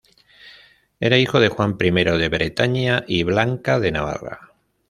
Era hijo de Juan I de Bretaña y Blanca de Navarra.